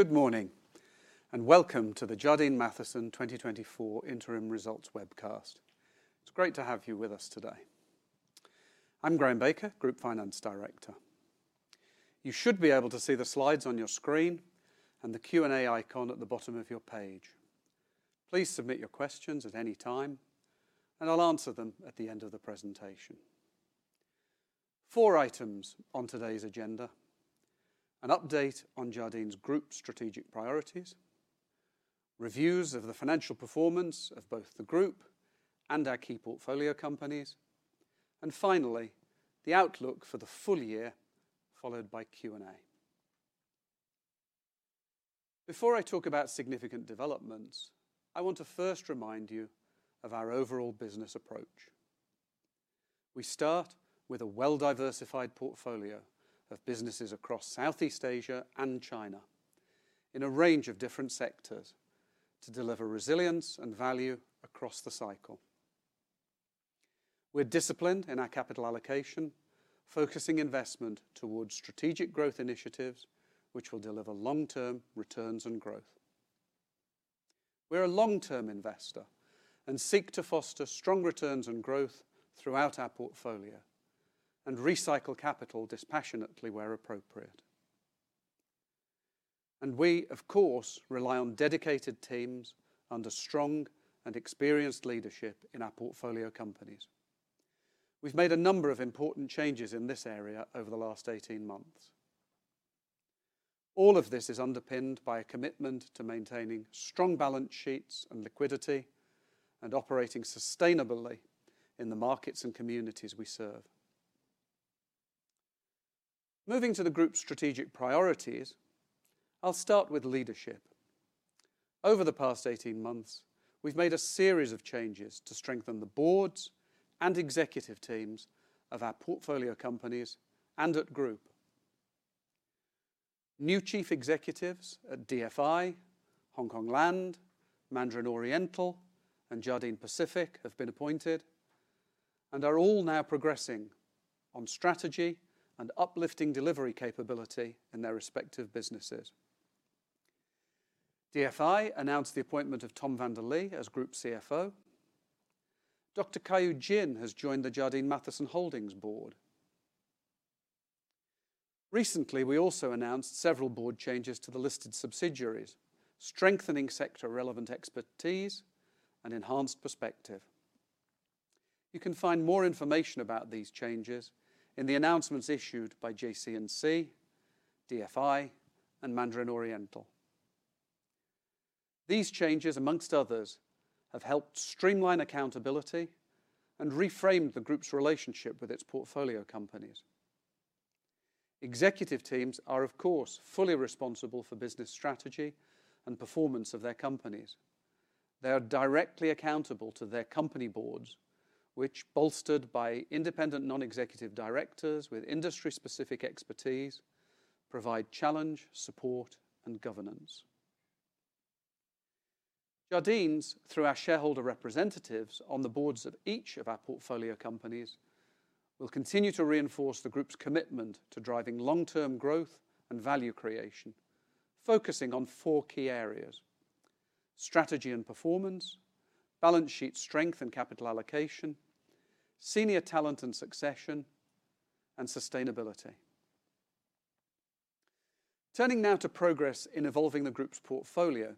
Good morning, and welcome to the Jardine Matheson 2024 interim results webcast. It's great to have you with us today. I'm Graham Baker, Group Finance Director. You should be able to see the slides on your screen and the Q&A icon at the bottom of your page. Please submit your questions at any time, and I'll answer them at the end of the presentation. Four items on today's agenda: an update on Jardine's group strategic priorities, reviews of the financial performance of both the group and our key portfolio companies, and finally, the outlook for the full year, followed by Q&A. Before I talk about significant developments, I want to first remind you of our overall business approach. We start with a well-diversified portfolio of businesses across Southeast Asia and China in a range of different sectors to deliver resilience and value across the cycle. We're disciplined in our capital allocation, focusing investment towards strategic growth initiatives, which will deliver long-term returns and growth. We're a long-term investor and seek to foster strong returns and growth throughout our portfolio and recycle capital dispassionately where appropriate. We, of course, rely on dedicated teams under strong and experienced leadership in our portfolio companies. We've made a number of important changes in this area over the last 18 months. All of this is underpinned by a commitment to maintaining strong balance sheets and liquidity and operating sustainably in the markets and communities we serve. Moving to the group's strategic priorities, I'll start with leadership. Over the past 18 months, we've made a series of changes to strengthen the boards and executive teams of our portfolio companies and at group. New chief executives at DFI, Hongkong Land, Mandarin Oriental, and Jardine Pacific have been appointed and are all now progressing on strategy and uplifting delivery capability in their respective businesses. DFI announced the appointment of Tom van der Lee as Group CFO. Dr. Keyu Jin has joined the Jardine Matheson Holdings board. Recently, we also announced several board changes to the listed subsidiaries, strengthening sector-relevant expertise and enhanced perspective. You can find more information about these changes in the announcements issued by JCNC, DFI, and Mandarin Oriental. These changes, among others, have helped streamline accountability and reframed the group's relationship with its portfolio companies. Executive teams are, of course, fully responsible for business strategy and performance of their companies. They are directly accountable to their company boards, which, bolstered by independent non-executive directors with industry-specific expertise, provide challenge, support, and governance. Jardine's, through our shareholder representatives on the boards of each of our portfolio companies, will continue to reinforce the group's commitment to driving long-term growth and value creation, focusing on four key areas: strategy and performance, balance sheet strength and capital allocation, senior talent and succession, and sustainability. Turning now to progress in evolving the group's portfolio.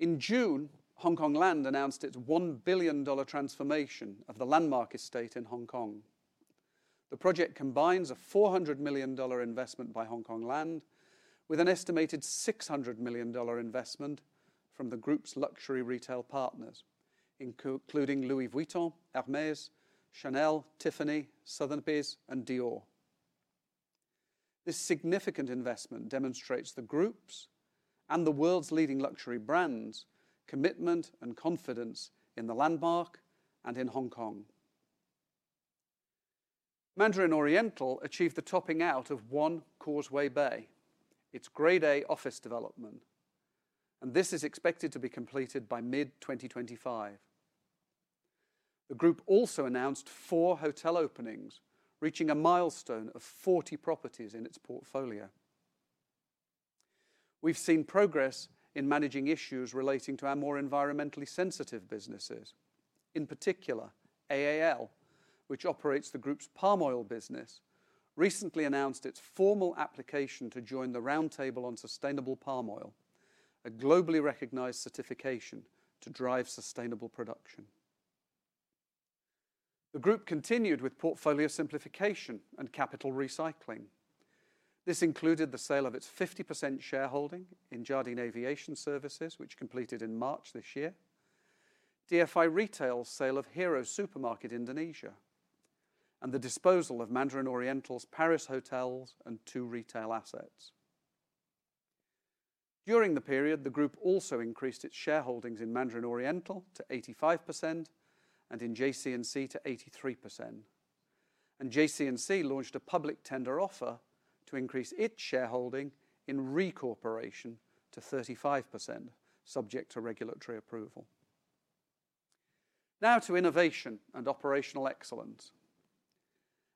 In June, Hongkong Land announced its $1 billion transformation of the Landmark estate in Hong Kong. The project combines a $400 million investment by Hongkong Land with an estimated $600 million investment from the group's luxury retail partners, including Louis Vuitton, Hermès, Chanel, Tiffany, Sotheby's, and Dior. This significant investment demonstrates the group's and the world's leading luxury brands' commitment and confidence in the Landmark and in Hong Kong. Mandarin Oriental achieved the topping out of One Causeway Bay, its Grade A office development, and this is expected to be completed by mid-2025. The group also announced four hotel openings, reaching a milestone of 40 properties in its portfolio. We've seen progress in managing issues relating to our more environmentally sensitive businesses. In particular, AAL, which operates the group's palm oil business, recently announced its formal application to join the Roundtable on Sustainable Palm Oil, a globally recognized certification to drive sustainable production. The group continued with portfolio simplification and capital recycling. This included the sale of its 50% shareholding in Jardine Aviation Services, which completed in March this year, DFI Retail's sale of Hero Supermarket Indonesia, and the disposal of Mandarin Oriental's Paris hotels and two retail assets. During the period, the group also increased its shareholdings in Mandarin Oriental to 85% and in JCNC to 83%, and JCNC launched a public tender offer to increase its shareholding in REE Corporation to 35%, subject to regulatory approval. Now to innovation and operational excellence.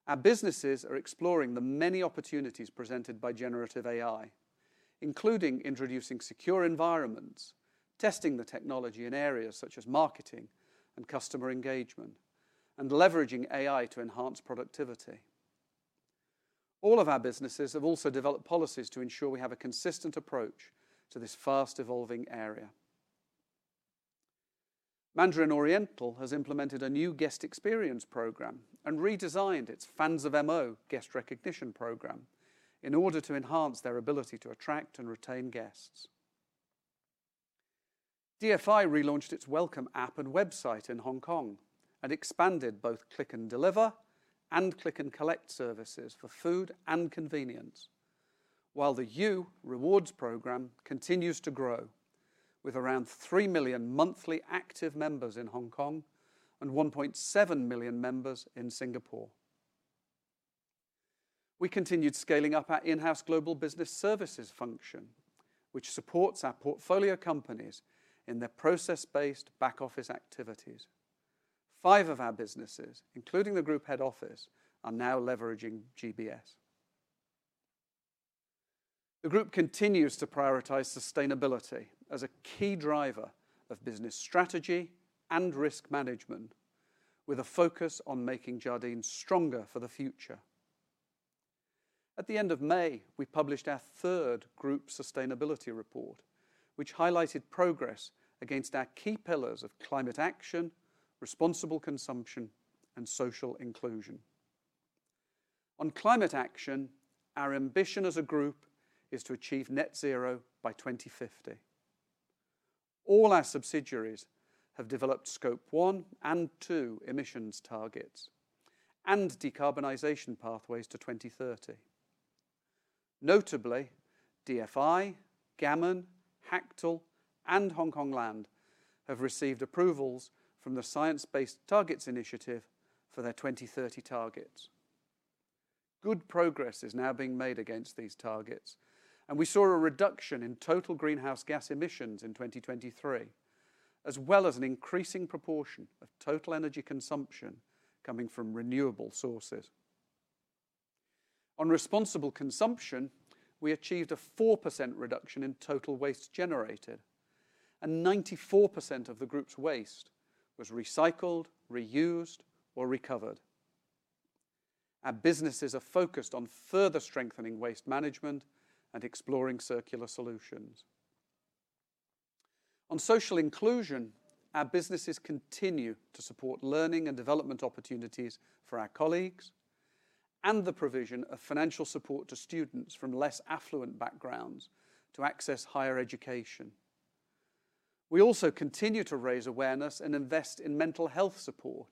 Our businesses are exploring the many opportunities presented by generative AI, including introducing secure environments, testing the technology in areas such as marketing and customer engagement, and leveraging AI to enhance productivity. All of our businesses have also developed policies to ensure we have a consistent approach to this fast-evolving area. Mandarin Oriental has implemented a new guest experience program and redesigned its Fans of M.O. guest recognition program in order to enhance their ability to attract and retain guests. DFI relaunched its Wellcome app and website in Hong Kong and expanded both Click and Deliver and Click and Collect services for food and convenience, while the yuu Rewards program continues to grow, with around three million monthly active members in Hong Kong and 1.7 million members in Singapore. We continued scaling up our in-house global business services function, which supports our portfolio companies in their process-based back office activities. Five of our businesses, including the group head office, are now leveraging GBS. The group continues to prioritize sustainability as a key driver of business strategy and risk management, with a focus on making Jardine stronger for the future. At the end of May, we published our third group sustainability report, which highlighted progress against our key pillars of climate action, responsible consumption, and social inclusion. On climate action, our ambition as a group is to achieve net zero by 2050. All our subsidiaries have developed Scope 1 and 2 emissions targets and decarbonization pathways to 2030. Notably, DFI, Gammon, Hactl, and Hongkong Land have received approvals from the Science-Based Targets Initiative for their 2030 targets. Good progress is now being made against these targets, and we saw a reduction in total greenhouse gas emissions in 2023, as well as an increasing proportion of total energy consumption coming from renewable sources. On responsible consumption, we achieved a 4% reduction in total waste generated, and 94% of the group's waste was recycled, reused, or recovered. Our businesses are focused on further strengthening waste management and exploring circular solutions. On social inclusion, our businesses continue to support learning and development opportunities for our colleagues and the provision of financial support to students from less affluent backgrounds to access higher education. We also continue to raise awareness and invest in mental health support,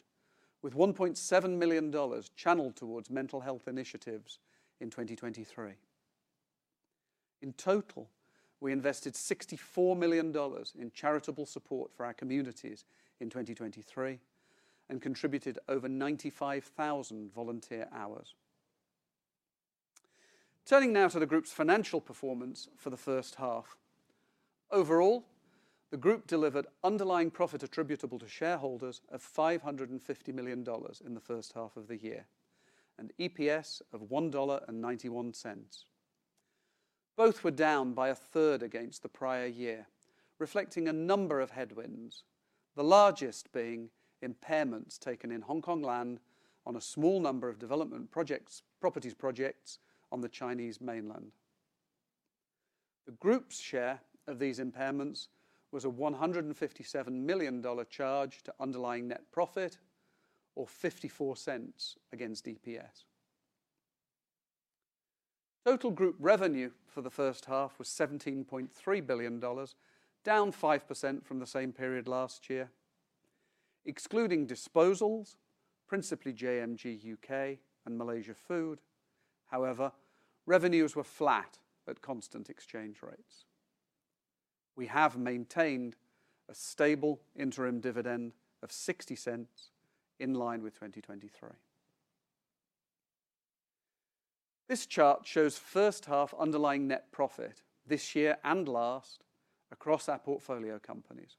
with $1.7 million channeled towards mental health initiatives in 2023. In total, we invested $64 million in charitable support for our communities in 2023 and contributed over 95,000 volunteer hours. Turning now to the group's financial performance for the first half. Overall, the group delivered underlying profit attributable to shareholders of $550 million in the first half of the year, and EPS of $1.91. Both were down by a third against the prior year, reflecting a number of headwinds, the largest being impairments taken in Hongkong Land on a small number of development projects, properties projects on the Chinese Mainland. The group's share of these impairments was a $157 million charge to underlying net profit or $0.54 against EPS. Total group revenue for the first half was $17.3 billion, down 5% from the same period last year. Excluding disposals, principally JMG U.K. and Malaysia Food, however, revenues were flat at constant exchange rates. We have maintained a stable interim dividend of $0.60, in line with 2023. This chart shows first half underlying net profit this year and last across our portfolio companies.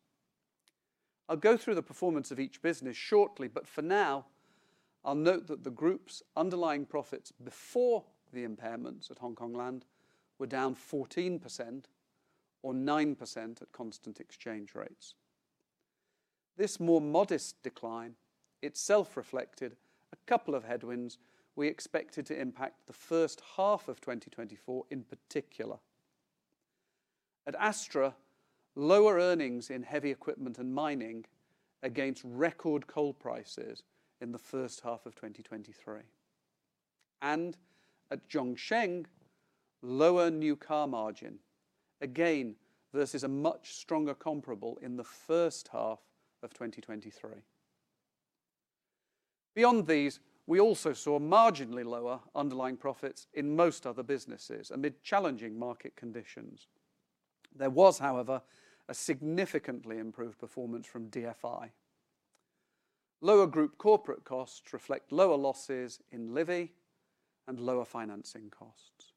I'll go through the performance of each business shortly, but for now, I'll note that the group's underlying profits before the impairments at Hongkong Land were down 14% or 9% at constant exchange rates. This more modest decline itself reflected a couple of headwinds we expected to impact the first half of 2024 in particular. At Astra, lower earnings in heavy equipment and mining against record coal prices in the first half of 2023. And at Zhongsheng, lower new car margin, again, versus a much stronger comparable in the first half of 2023. Beyond these, we also saw marginally lower underlying profits in most other businesses amid challenging market conditions. There was, however, a significantly improved performance from DFI. Lower group corporate costs reflect lower losses in Livy and lower financing costs....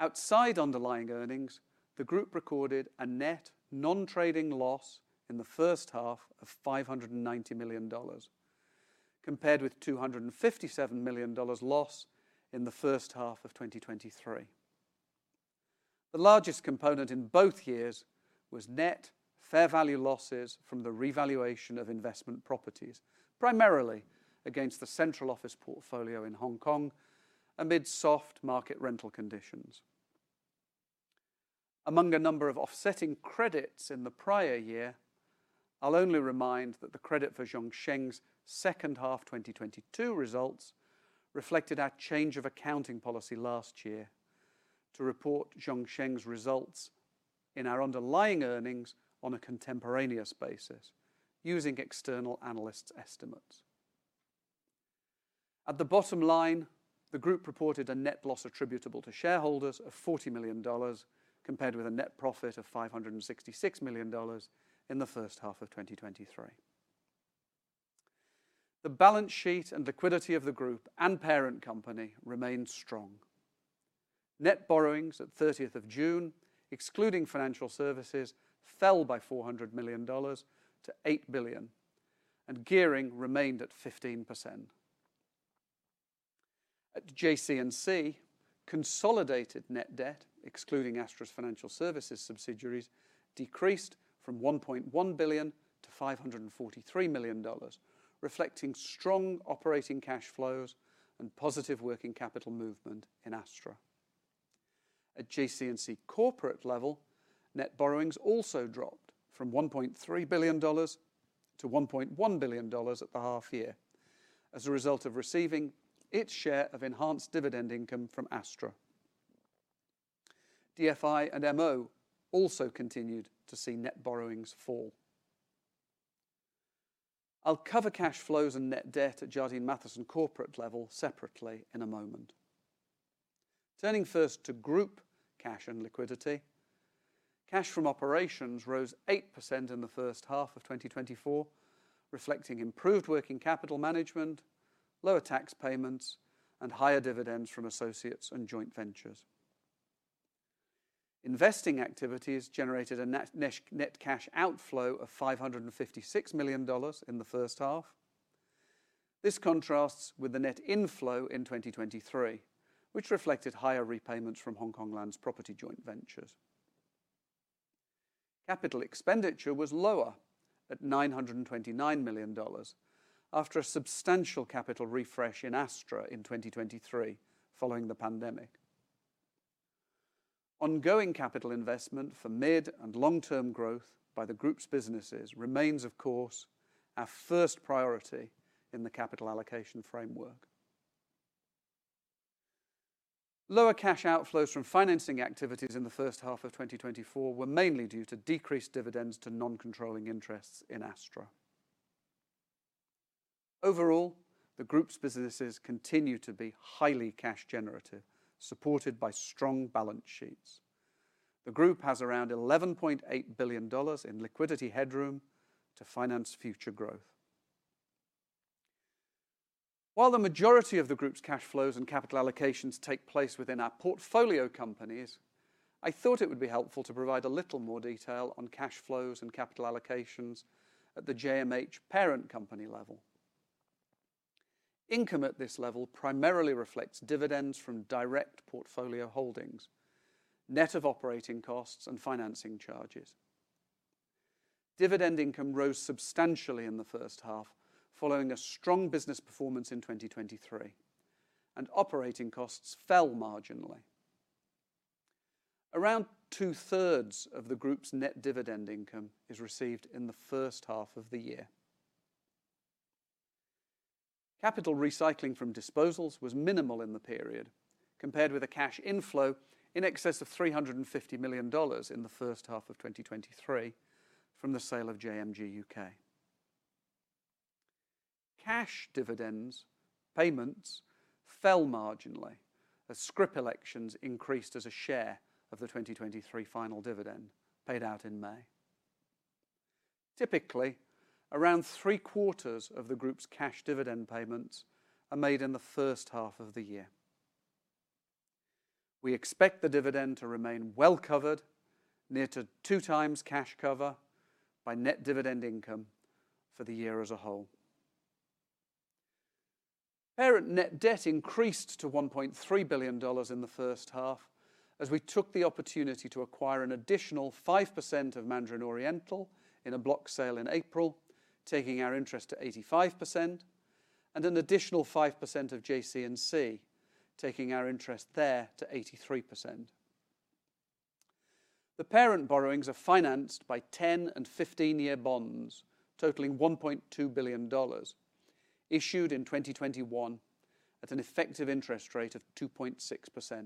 Outside underlying earnings, the group recorded a net non-trading loss in the first half of $590 million, compared with $257 million loss in the first half of 2023. The largest component in both years was net fair value losses from the revaluation of investment properties, primarily against the central office portfolio in Hong Kong amid soft market rental conditions. Among a number of offsetting credits in the prior year, I'll only remind that the credit for Zhongsheng's second half 2022 results reflected our change of accounting policy last year to report Zhongsheng's results in our underlying earnings on a contemporaneous basis using external analysts' estimates. At the bottom line, the group reported a net loss attributable to shareholders of $40 million, compared with a net profit of $566 million in the first half of 2023. The balance sheet and liquidity of the group and parent company remained strong. Net borrowings at thirtieth of June, excluding financial services, fell by $400 million to $8 billion, and gearing remained at 15%. At JCNC, consolidated net debt, excluding Astra's financial services subsidiaries, decreased from $1.1 billion to $543 million, reflecting strong operating cash flows and positive working capital movement in Astra. At JCNC corporate level, net borrowings also dropped from $1.3 billion to $1.1 billion at the half year, as a result of receiving its share of enhanced dividend income from Astra. DFI and MO also continued to see net borrowings fall. I'll cover cash flows and net debt at Jardine Matheson corporate level separately in a moment. Turning first to group cash and liquidity, cash from operations rose 8% in the first half of 2024, reflecting improved working capital management, lower tax payments, and higher dividends from associates and joint ventures. Investing activities generated a net cash outflow of $556 million in the first half. This contrasts with the net inflow in 2023, which reflected higher repayments from Hongkong Land's property joint ventures. Capital expenditure was lower at $929 million, after a substantial capital refresh in Astra in 2023 following the pandemic. Ongoing capital investment for mid and long-term growth by the group's businesses remains, of course, our first priority in the capital allocation framework. Lower cash outflows from financing activities in the first half of 2024 were mainly due to decreased dividends to non-controlling interests in Astra. Overall, the group's businesses continue to be highly cash generative, supported by strong balance sheets. The group has around $11.8 billion in liquidity headroom to finance future growth. While the majority of the group's cash flows and capital allocations take place within our portfolio companies, I thought it would be helpful to provide a little more detail on cash flows and capital allocations at the JMH parent company level. Income at this level primarily reflects dividends from direct portfolio holdings, net of operating costs and financing charges. Dividend income rose substantially in the first half, following a strong business performance in 2023, and operating costs fell marginally. Around two-thirds of the group's net dividend income is received in the first half of the year. Capital recycling from disposals was minimal in the period, compared with a cash inflow in excess of $350 million in the first half of 2023 from the sale of JMG U.K. Cash dividends payments fell marginally as scrip elections increased as a share of the 2023 final dividend paid out in May. Typically, around three-quarters of the group's cash dividend payments are made in the first half of the year. We expect the dividend to remain well-covered, near to 2x cash cover by net dividend income for the year as a whole. Parent net debt increased to $1.3 billion in the first half as we took the opportunity to acquire an additional 5% of Mandarin Oriental in a block sale in April, taking our interest to 85%, and an additional 5% of JCNC, taking our interest there to 83%. The parent borrowings are financed by 10- and 15-year bonds, totaling $1.2 billion, issued in 2021 at an effective interest rate of 2.6%,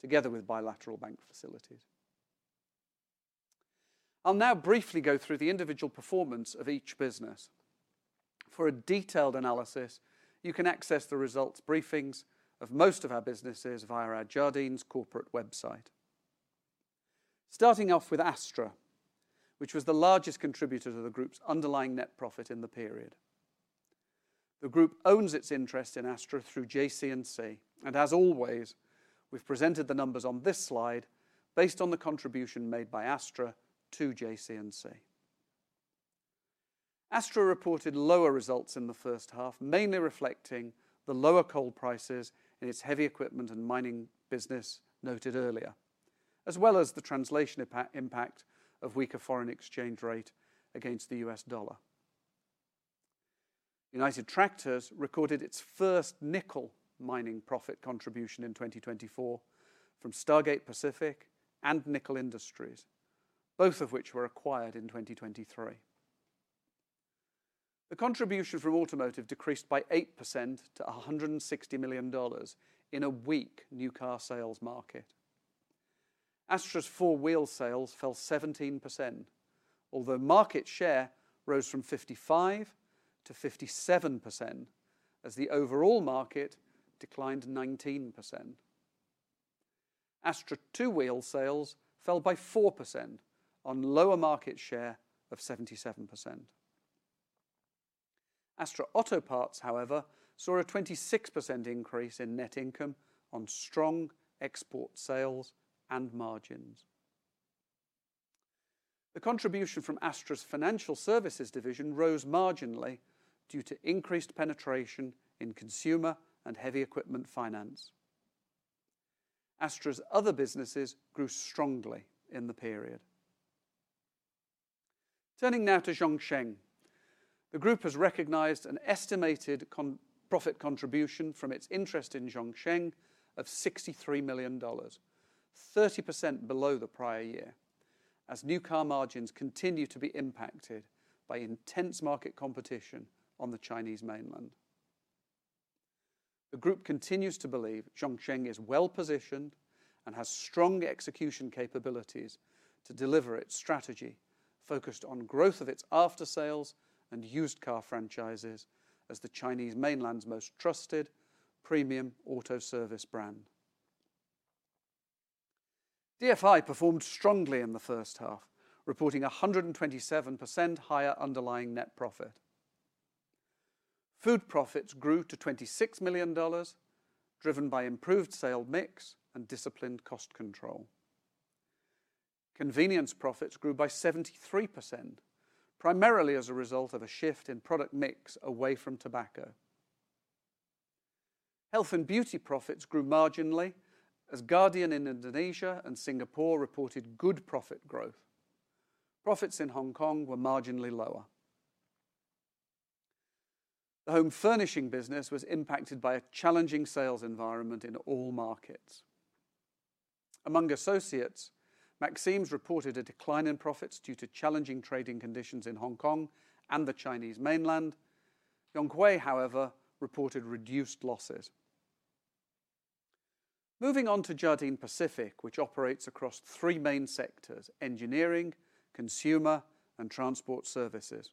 together with bilateral bank facilities. I'll now briefly go through the individual performance of each business. For a detailed analysis, you can access the results briefings of most of our businesses via our Jardine's corporate website.... Starting off with Astra, which was the largest contributor to the group's underlying net profit in the period. The group owns its interest in Astra through JCNC, and as always, we've presented the numbers on this slide based on the contribution made by Astra to JCNC. Astra reported lower results in the first half, mainly reflecting the lower coal prices in its heavy equipment and mining business noted earlier, as well as the translation impact of weaker foreign exchange rate against the U.S. dollar. United Tractors recorded its first nickel mining profit contribution in 2024 from Stargate Pacific and Nickel Industries, both of which were acquired in 2023. The contribution from automotive decreased by 8% to $160 million in a weak new car sales market. Astra's four-wheel sales fell 17%, although market share rose from 55% to 57% as the overall market declined 19%. Astra two-wheel sales fell by 4% on lower market share of 77%. Astra Otoparts, however, saw a 26% increase in net income on strong export sales and margins. The contribution from Astra's financial services division rose marginally due to increased penetration in consumer and heavy equipment finance. Astra's other businesses grew strongly in the period. Turning now to Zhongsheng. The group has recognized an estimated contribution profit from its interest in Zhongsheng of $63 million, 30% below the prior year, as new car margins continue to be impacted by intense market competition on the Chinese Mainland. The group continues to believe Zhongsheng is well-positioned and has strong execution capabilities to deliver its strategy, focused on growth of its aftersales and used car franchises as the Chinese Mainland's most trusted premium auto service brand. DFI performed strongly in the first half, reporting 127% higher underlying net profit. Food profits grew to $26 million, driven by improved sale mix and disciplined cost control. Convenience profits grew by 73%, primarily as a result of a shift in product mix away from tobacco. Health and beauty profits grew marginally, as Guardian in Indonesia and Singapore reported good profit growth. Profits in Hong Kong were marginally lower. The home furnishing business was impacted by a challenging sales environment in all markets. Among associates, Maxim's reported a decline in profits due to challenging trading conditions in Hong Kong and the Chinese Mainland. Yonghui, however, reported reduced losses. Moving on to Jardine Pacific, which operates across three main sectors: engineering, consumer, and transport services.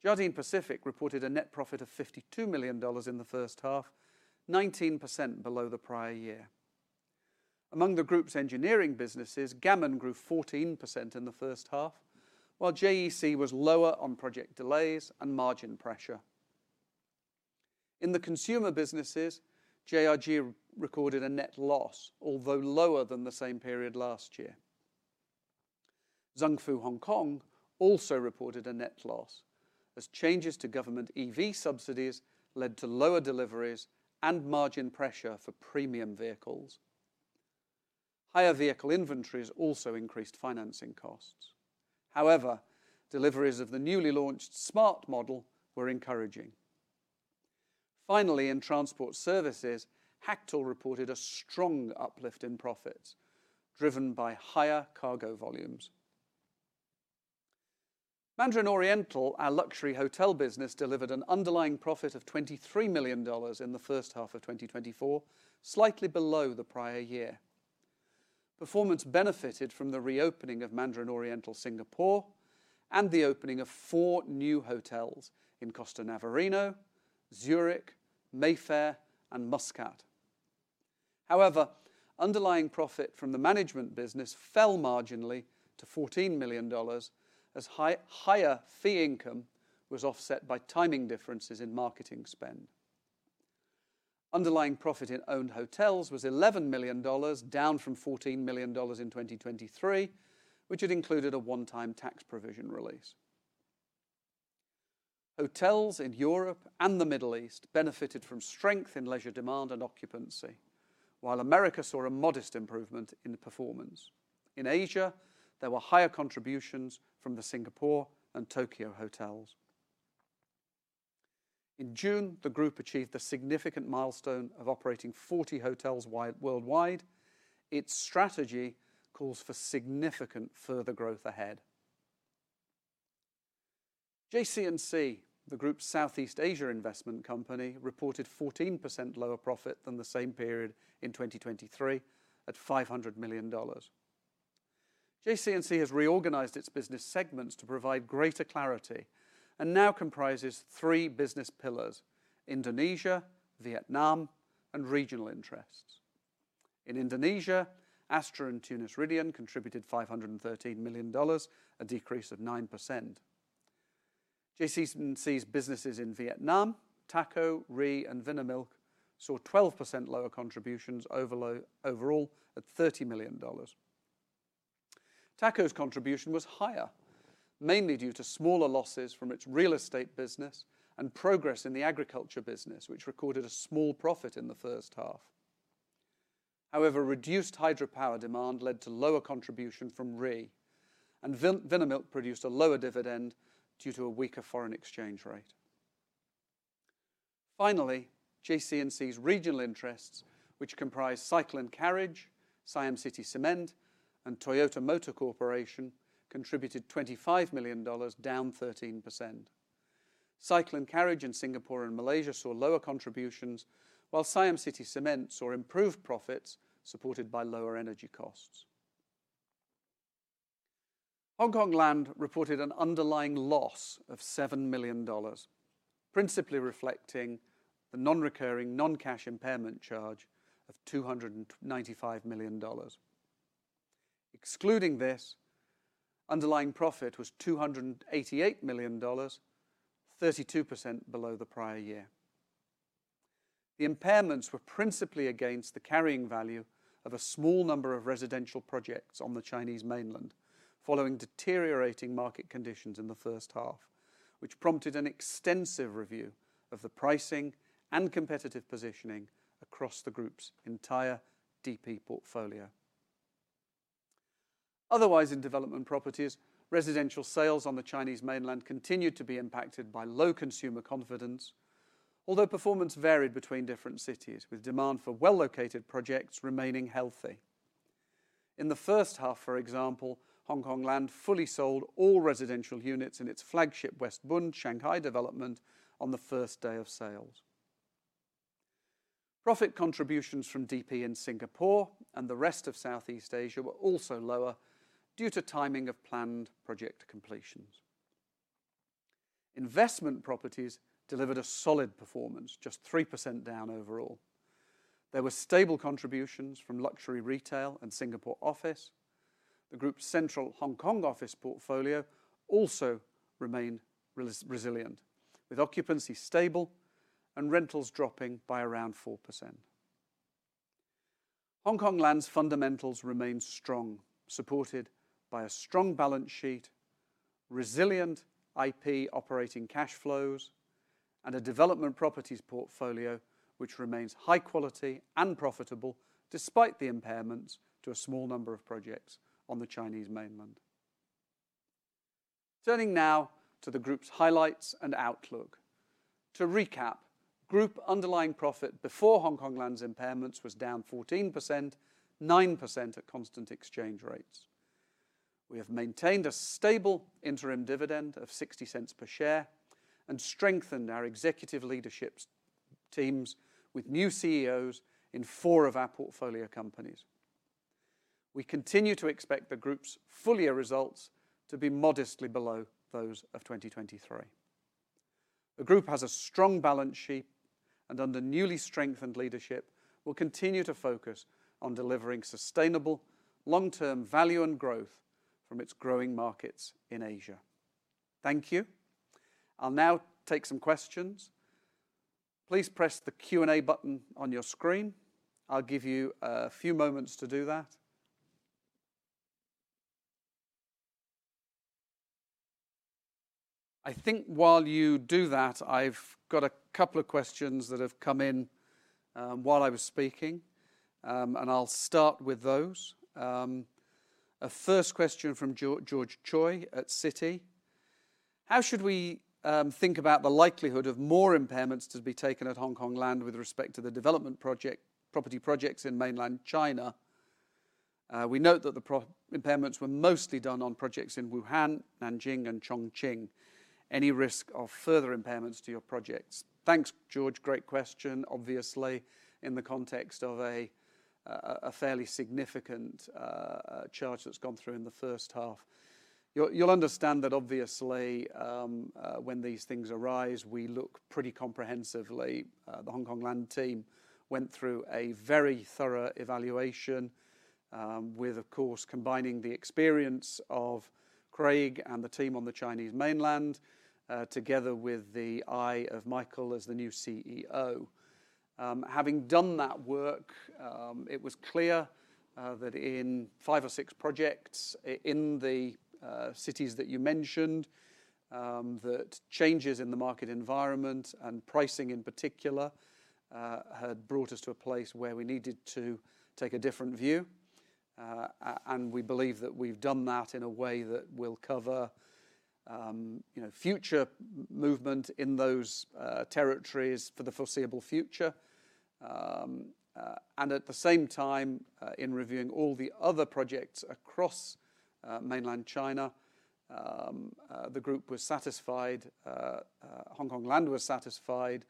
Jardine Pacific reported a net profit of $52 million in the first half, 19% below the prior year. Among the group's engineering businesses, Gammon grew 14% in the first half, while JEC was lower on project delays and margin pressure. In the consumer businesses, JRG recorded a net loss, although lower than the same period last year. Zung Fu Hong Kong also reported a net loss, as changes to government EV subsidies led to lower deliveries and margin pressure for premium vehicles. Higher vehicle inventories also increased financing costs. However, deliveries of the newly launched smart model were encouraging. Finally, in transport services, Hactl reported a strong uplift in profits, driven by higher cargo volumes. Mandarin Oriental, our luxury hotel business, delivered an underlying profit of $23 million in the first half of 2024, slightly below the prior year. Performance benefited from the reopening of Mandarin Oriental Singapore and the opening of four new hotels in Costa Navarino, Zurich, Mayfair, and Muscat. However, underlying profit from the management business fell marginally to $14 million, as higher fee income was offset by timing differences in marketing spend. Underlying profit in owned hotels was $11 million, down from $14 million in 2023, which had included a one-time tax provision release. Hotels in Europe and the Middle East benefited from strength in leisure demand and occupancy, while America saw a modest improvement in the performance. In Asia, there were higher contributions from the Singapore and Tokyo hotels. In June, the group achieved the significant milestone of operating 40 hotels worldwide. Its strategy calls for significant further growth ahead. JCNC, the group's Southeast Asia investment company, reported 14% lower profit than the same period in 2023 at $500 million. JCNC has reorganized its business segments to provide greater clarity and now comprises three business pillars: Indonesia, Vietnam and regional interests. In Indonesia, Astra and Tunas Ridean contributed $513 million, a decrease of 9%. JCNC's businesses in Vietnam, THACO, REE and Vinamilk, saw 12% lower contributions overall, at $30 million. THACO's contribution was higher, mainly due to smaller losses from its real estate business and progress in the agriculture business, which recorded a small profit in the first half. However, reduced hydropower demand led to lower contribution from REE, and Vinamilk produced a lower dividend due to a weaker foreign exchange rate. Finally, JCNC's regional interests, which comprise Cycle & Carriage, Siam City Cement, and Toyota Motor Corporation, contributed $25 million, down 13%. Cycle & Carriage in Singapore and Malaysia saw lower contributions, while Siam City Cement saw improved profits, supported by lower energy costs. Hongkong Land reported an underlying loss of $7 million, principally reflecting the non-recurring, non-cash impairment charge of $295 million. Excluding this, underlying profit was $288 million, 32% below the prior year. The impairments were principally against the carrying value of a small number of residential projects on the Chinese mainland, following deteriorating market conditions in the first half, which prompted an extensive review of the pricing and competitive positioning across the group's entire DP portfolio. Otherwise, in development properties, residential sales on the Chinese mainland continued to be impacted by low consumer confidence, although performance varied between different cities, with demand for well-located projects remaining healthy. In the first half, for example, Hongkong Land fully sold all residential units in its flagship West Bund Shanghai development on the first day of sales. Profit contributions from DP in Singapore and the rest of Southeast Asia were also lower due to timing of planned project completions. Investment properties delivered a solid performance, just 3% down overall. There were stable contributions from luxury retail and Singapore office. The group's central Hong Kong office portfolio also remained resilient, with occupancy stable and rentals dropping by around 4%. Hong Kong Land's fundamentals remain strong, supported by a strong balance sheet, resilient IP operating cash flows, and a development properties portfolio which remains high quality and profitable despite the impairments to a small number of projects on the Chinese Mainland. Turning now to the group's highlights and outlook. To recap, group underlying profit before Hong Kong Land's impairments was down 14%, 9% at constant exchange rates. We have maintained a stable interim dividend of $0.60 per share and strengthened our executive leadership teams with new CEOs in four of our portfolio companies. We continue to expect the group's full year results to be modestly below those of 2023. The group has a strong balance sheet, and under newly strengthened leadership, will continue to focus on delivering sustainable long-term value and growth from its growing markets in Asia. Thank you. I'll now take some questions. Please press the Q&A button on your screen. I'll give you a few moments to do that. I think while you do that, I've got a couple of questions that have come in while I was speaking, and I'll start with those. A first question from George Choy at Citi: How should we think about the likelihood of more impairments to be taken at Hongkong Land with respect to the development property projects in Chinese Mainland? We note that the impairments were mostly done on projects in Wuhan, Nanjing and Chongqing. Any risk of further impairments to your projects? Thanks, George. Great question. Obviously, in the context of a fairly significant charge that's gone through in the first half. You'll understand that obviously, when these things arise, we look pretty comprehensively. The Hongkong Land team went through a very thorough evaluation, with, of course, combining the experience of Craig and the team on the Chinese Mainland, together with the eye of Michael as the new CEO. Having done that work, it was clear that in five or six projects in the cities that you mentioned, that changes in the market environment and pricing in particular had brought us to a place where we needed to take a different view. And we believe that we've done that in a way that will cover, you know, future movement in those territories for the foreseeable future. And at the same time, in reviewing all the other projects across Mainland China. The group was satisfied, Hongkong Land was satisfied,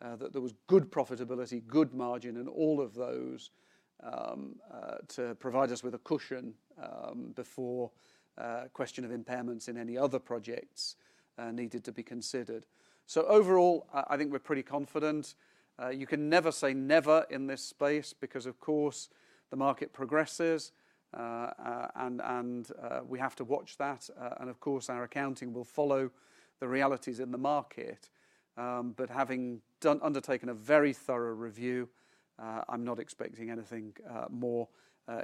that there was good profitability, good margin in all of those, to provide us with a cushion, before a question of impairments in any other projects needed to be considered. So overall, I think we're pretty confident. You can never say never in this space, because of course, the market progresses, and we have to watch that. And of course, our accounting will follow the realities in the market. But having undertaken a very thorough review, I'm not expecting anything more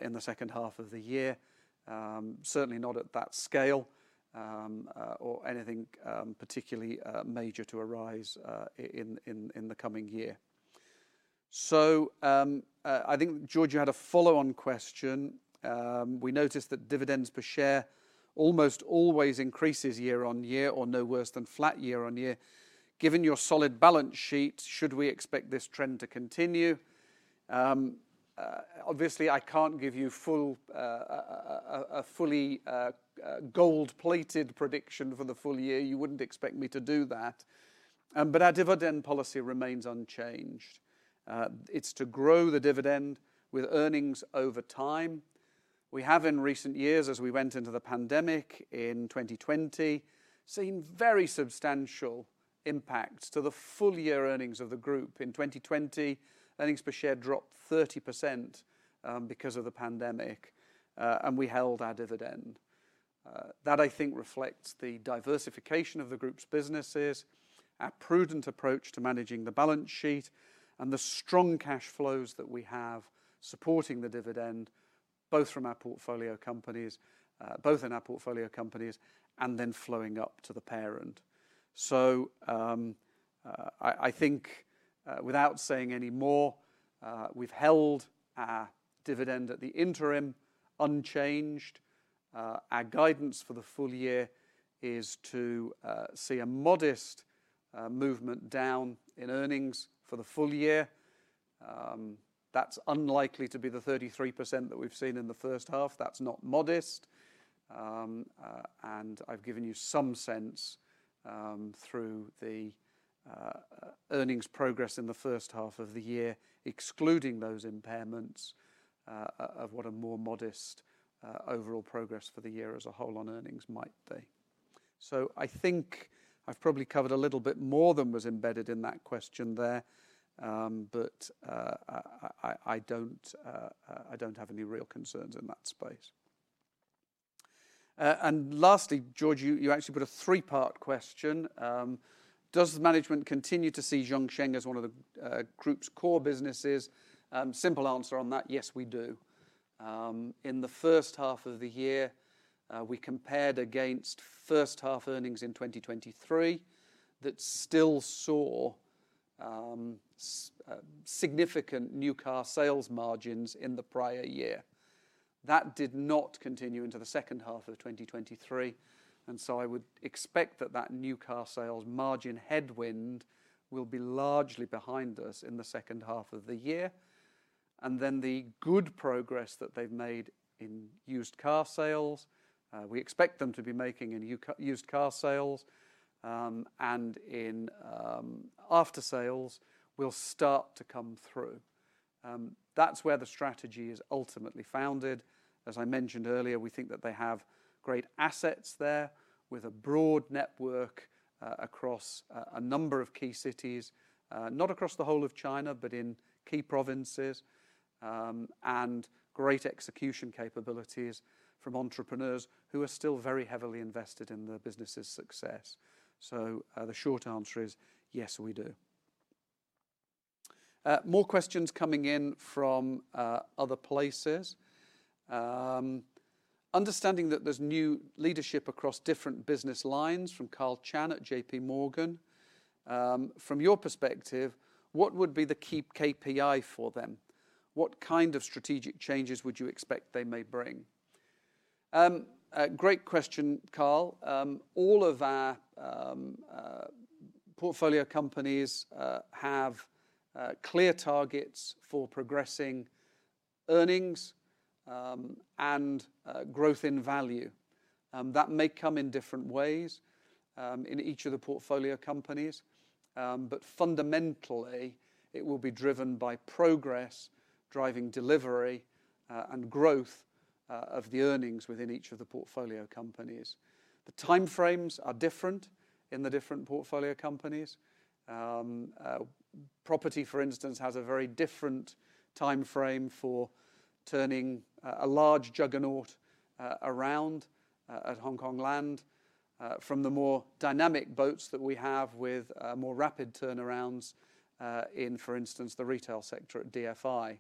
in the second half of the year. Certainly not at that scale, or anything particularly major to arise in the coming year. So, I think, George, you had a follow-on question. We noticed that dividends per share almost always increases year-over-year, or no worse than flat year-over-year. Given your solid balance sheet, should we expect this trend to continue? Obviously, I can't give you a fully gold-plated prediction for the full year. You wouldn't expect me to do that. But our dividend policy remains unchanged. It's to grow the dividend with earnings over time. We have in recent years, as we went into the pandemic in 2020, seen very substantial impacts to the full year earnings of the group. In 2020, earnings per share dropped 30%, because of the pandemic, and we held our dividend. That I think reflects the diversification of the group's businesses, our prudent approach to managing the balance sheet, and the strong cash flows that we have supporting the dividend, both from our portfolio companies, both in our portfolio companies and then flowing up to the parent. So, I think, without saying any more, we've held our dividend at the interim unchanged. Our guidance for the full year is to see a modest movement down in earnings for the full year. That's unlikely to be the 33% that we've seen in the first half. That's not modest. And I've given you some sense through the earnings progress in the first half of the year, excluding those impairments, of what a more modest overall progress for the year as a whole on earnings might be. So I think I've probably covered a little bit more than was embedded in that question there, but I don't have any real concerns in that space. And lastly, George, you actually put a three-part question. Does management continue to see Zhongsheng as one of the group's core businesses? Simple answer on that, yes, we do. In the first half of the year, we compared against first half earnings in 2023, that still saw significant new car sales margins in the prior year. That did not continue into the second half of 2023, and so I would expect that that new car sales margin headwind will be largely behind us in the second half of the year. And then the good progress that they've made in used car sales, we expect them to be making in used car sales, and in aftersales, will start to come through. That's where the strategy is ultimately founded. As I mentioned earlier, we think that they have great assets there, with a broad network across a number of key cities, not across the whole of China, but in key provinces, and great execution capabilities from entrepreneurs who are still very heavily invested in the business's success. So, the short answer is, yes, we do. More questions coming in from other places. Understanding that there's new leadership across different business lines from Karl Chan at JPMorgan, from your perspective, what would be the key KPI for them? What kind of strategic changes would you expect they may bring? A great question, Karl. All of our portfolio companies have clear targets for progressing earnings, and growth in value. That may come in different ways in each of the portfolio companies, but fundamentally, it will be driven by progress, driving delivery, and growth of the earnings within each of the portfolio companies. The time frames are different in the different portfolio companies. Property, for instance, has a very different time frame for turning a large juggernaut around at Hongkong Land from the more dynamic boats that we have with more rapid turnarounds in, for instance, the retail sector at DFI.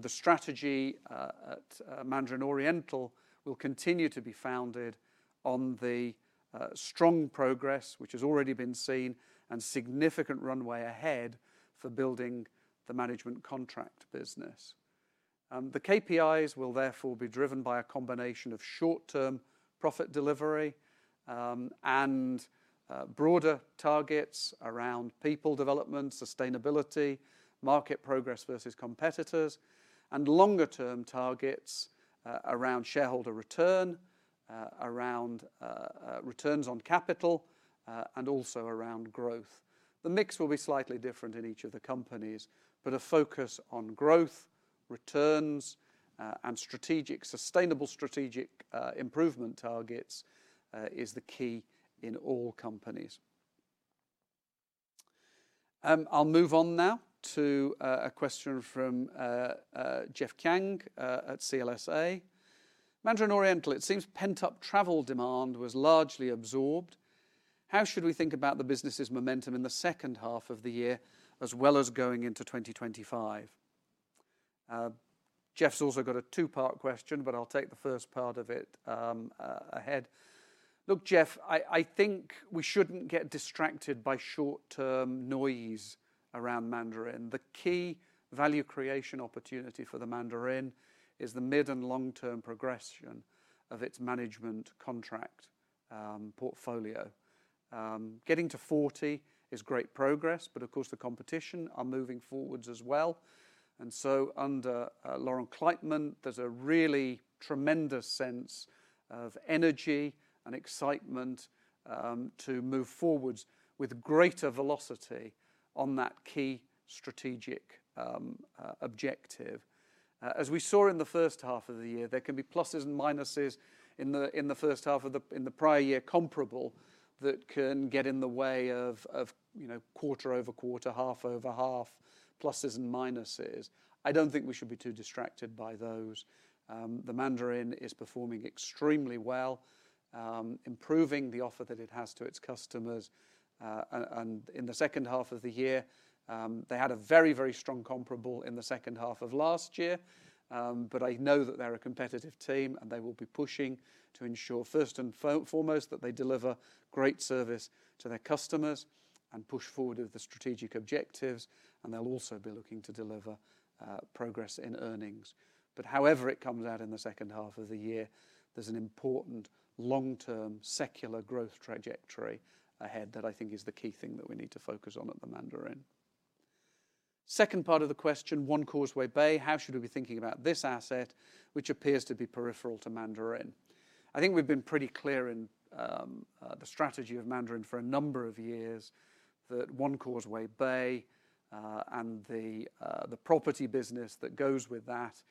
The strategy at Mandarin Oriental will continue to be founded on the strong progress, which has already been seen, and significant runway ahead for building the management contract business. The KPIs will therefore be driven by a combination of short-term profit delivery, and broader targets around people development, sustainability, market progress versus competitors, and longer-term targets around shareholder return, around returns on capital, and also around growth. The mix will be slightly different in each of the companies, but a focus on growth, returns, and strategic-- sustainable strategic improvement targets is the key in all companies. I'll move on now to a question from Jeff Kang at CLSA. "Mandarin Oriental, it seems pent-up travel demand was largely absorbed. How should we think about the business's momentum in the second half of the year, as well as going into 2025?" Jeff's also got a two-part question, but I'll take the first part of it ahead. Look, Jeff, I think we shouldn't get distracted by short-term noise around Mandarin. The key value creation opportunity for the Mandarin is the mid and long-term progression of its management contract portfolio. Getting to 40 is great progress, but of course, the competition are moving forwards as well. And so under Laurent Kleitman, there's a really tremendous sense of energy and excitement to move forwards with greater velocity on that key strategic objective. As we saw in the first half of the year, there can be pluses and minuses in the first half of the prior year comparable, that can get in the way of, you know, quarter-over-quarter, half-over-half, pluses and minuses. I don't think we should be too distracted by those. The Mandarin is performing extremely well, improving the offer that it has to its customers. And in the second half of the year, they had a very, very strong comparable in the second half of last year. But I know that they're a competitive team, and they will be pushing to ensure, first and foremost, that they deliver great service to their customers and push forward with the strategic objectives, and they'll also be looking to deliver progress in earnings. But however it comes out in the second half of the year, there's an important long-term, secular growth trajectory ahead that I think is the key thing that we need to focus on at the Mandarin. Second part of the question, One Causeway Bay, how should we be thinking about this asset, which appears to be peripheral to Mandarin? I think we've been pretty clear in the strategy of Mandarin for a number of years, that One Causeway Bay and the property business that goes with that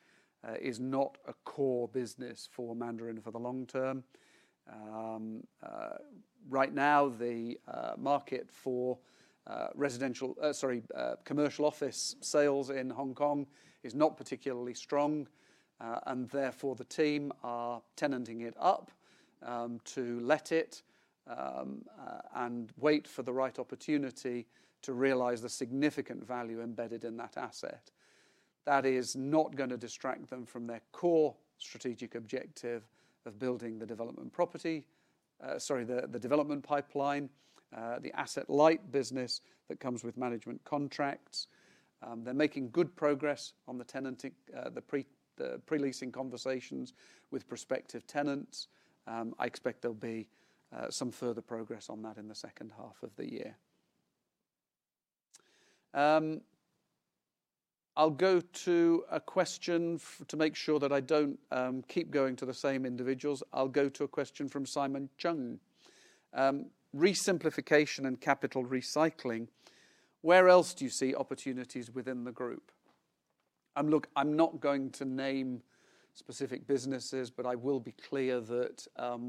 is not a core business for Mandarin for the long term. Right now, the market for residential, sorry, commercial office sales in Hong Kong is not particularly strong, and therefore, the team are tenanting it up to let it and wait for the right opportunity to realize the significant value embedded in that asset. That is not gonna distract them from their core strategic objective of building the development property, sorry, the development pipeline, the asset-light business that comes with management contracts. They're making good progress on the tenanting, the pre-leasing conversations with prospective tenants. I expect there'll be some further progress on that in the second half of the year. I'll go to a question from Simon Cheung. "Resimplification and capital recycling, where else do you see opportunities within the group?" And look, I'm not going to name specific businesses, but I will be clear that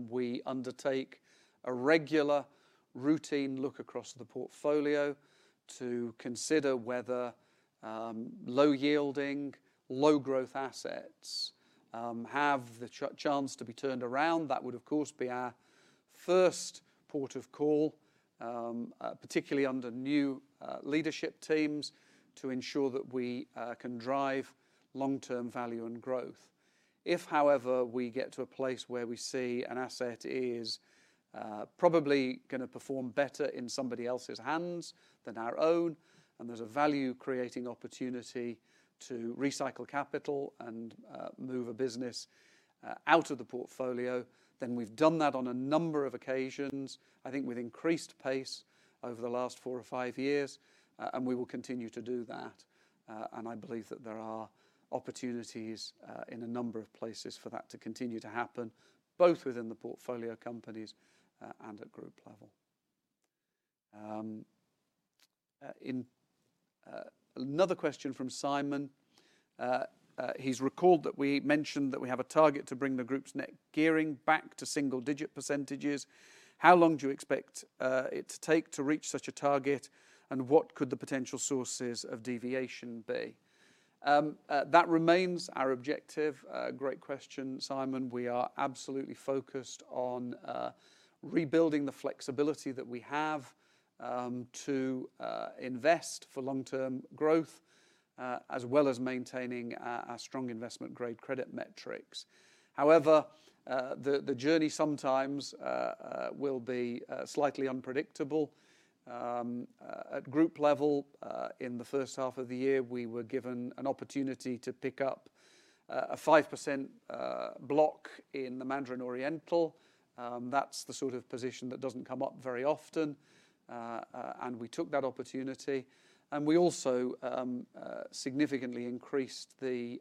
we undertake a regular, routine look across the portfolio to consider whether low-yielding, low-growth assets have the chance to be turned around. That would, of course, be our first port of call, particularly under new leadership teams, to ensure that we can drive long-term value and growth. If, however, we get to a place where we see an asset is probably gonna perform better in somebody else's hands than our own, and there's a value-creating opportunity to recycle capital and move a business out of the portfolio, then we've done that on a number of occasions. I think we've increased pace over the last four or five years, and we will continue to do that. And I believe that there are opportunities in a number of places for that to continue to happen, both within the portfolio companies and at group level. In another question from Simon, he's recalled that we mentioned that we have a target to bring the group's net gearing back to single-digit percentages. How long do you expect it to take to reach such a target, and what could the potential sources of deviation be?" That remains our objective. Great question, Simon. We are absolutely focused on rebuilding the flexibility that we have to invest for long-term growth, as well as maintaining our strong investment-grade credit metrics. However, the journey sometimes will be slightly unpredictable. At group level, in the first half of the year, we were given an opportunity to pick up a 5% block in the Mandarin Oriental. That's the sort of position that doesn't come up very often, and we took that opportunity, and we also significantly increased the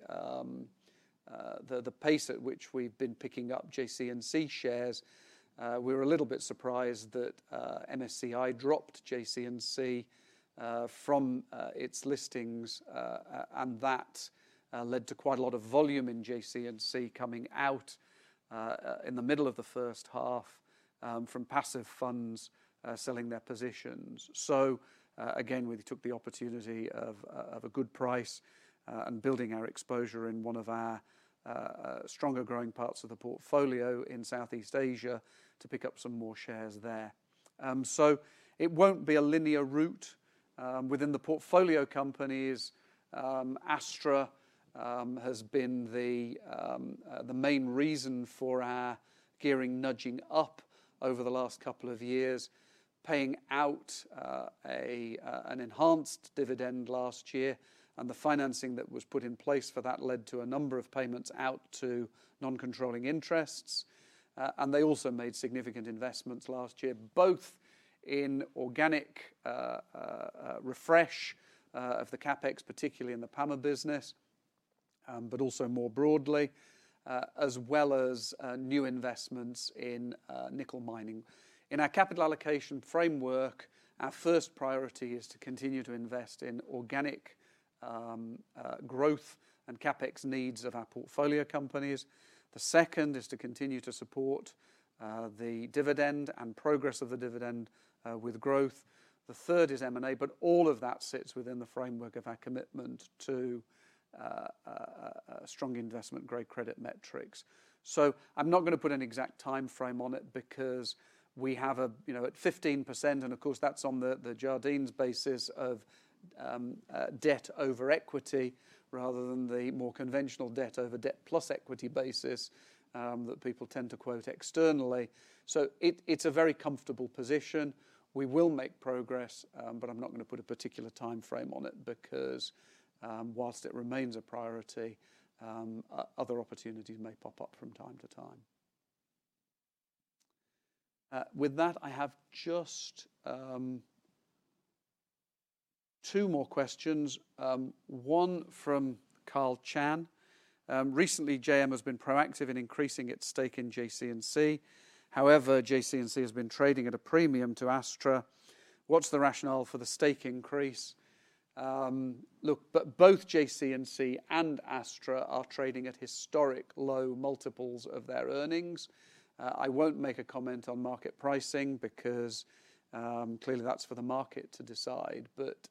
pace at which we've been picking up JCNC shares. We were a little bit surprised that MSCI dropped JCNC from its listings and that led to quite a lot of volume in JCNC coming out in the middle of the first half from passive funds selling their positions. So again, we took the opportunity of a good price and building our exposure in one of our stronger growing parts of the portfolio in Southeast Asia to pick up some more shares there. So it won't be a linear route. Within the portfolio companies, Astra has been the main reason for our gearing nudging up over the last couple of years, paying out an enhanced dividend last year, and the financing that was put in place for that led to a number of payments out to non-controlling interests. They also made significant investments last year, both in organic refresh of the CapEx, particularly in the palm business, but also more broadly, as well as new investments in nickel mining. In our capital allocation framework, our first priority is to continue to invest in organic growth and CapEx needs of our portfolio companies. The second is to continue to support the dividend and progress of the dividend with growth. The third is M&A, but all of that sits within the framework of our commitment to strong investment-grade credit metrics. So I'm not going to put an exact timeframe on it because we have a... You know, at 15%, and of course, that's on the Jardines basis of debt over equity, rather than the more conventional debt over debt plus equity basis that people tend to quote externally. So it, it's a very comfortable position. We will make progress, but I'm not going to put a particular timeframe on it because whilst it remains a priority, other opportunities may pop up from time to time. With that, I have just two more questions, one from Karl Chan: "Recently, JM has been proactive in increasing its stake in JCNC. However, JCNC has been trading at a premium to Astra. What's the rationale for the stake increase? Look, both JCNC and Astra are trading at historic low multiples of their earnings. I won't make a comment on market pricing because, clearly that's for the market to decide. But,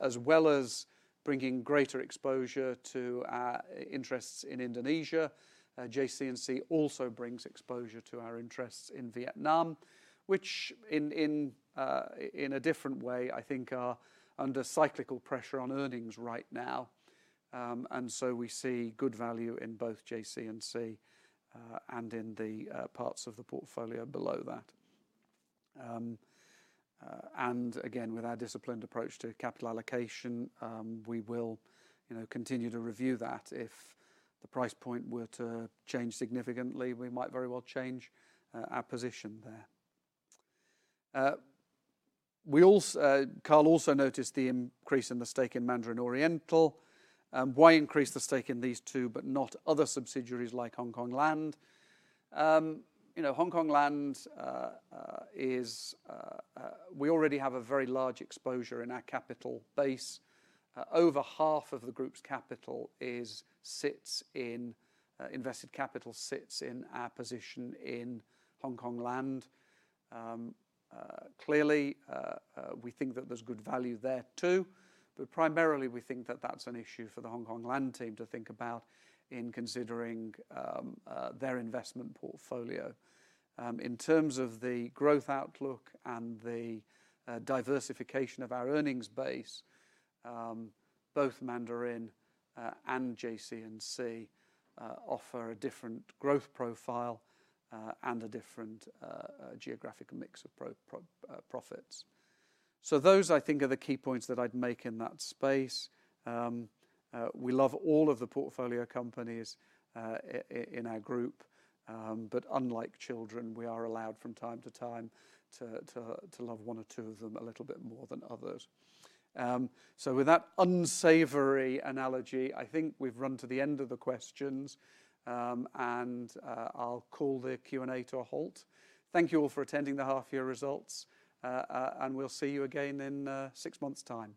as well as bringing greater exposure to our interests in Indonesia, JCNC also brings exposure to our interests in Vietnam, which in, in, in a different way, I think, are under cyclical pressure on earnings right now. And so we see good value in both JCNC, and in the, parts of the portfolio below that. And again, with our disciplined approach to capital allocation, we will, you know, continue to review that. If the price point were to change significantly, we might very well change our position there. We also—Karl also noticed the increase in the stake in Mandarin Oriental. "Why increase the stake in these two, but not other subsidiaries like Hongkong Land?" You know, Hongkong Land is. We already have a very large exposure in our capital base. Over half of the group's capital sits in invested capital, sits in our position in Hongkong Land. Clearly, we think that there's good value there, too, but primarily we think that that's an issue for the Hongkong Land team to think about in considering their investment portfolio. In terms of the growth outlook and the diversification of our earnings base, both Mandarin and JCNC offer a different growth profile and a different geographic mix of profits. So those, I think, are the key points that I'd make in that space. We love all of the portfolio companies in our group, but unlike children, we are allowed from time to time to love one or two of them a little bit more than others. So with that unsavory analogy, I think we've run to the end of the questions, and I'll call the Q&A to a halt. Thank you all for attending the half year results, and we'll see you again in six months' time.